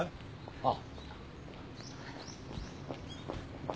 ああ。